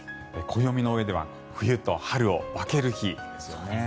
暦の上では冬と春を分ける日ですよね。